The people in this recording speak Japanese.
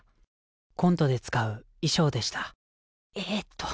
コントで使う衣装でしたえっと